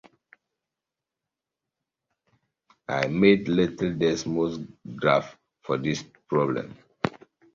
I made little Desmos graph for this problem